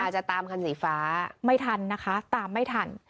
จะตามคันสีฟ้าไม่ทันนะคะตามไม่ทัน